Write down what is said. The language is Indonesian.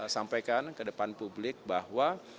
sampaikan ke depan publik bahwa